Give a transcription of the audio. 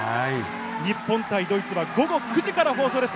日本対ドイツは午後９時から放送です。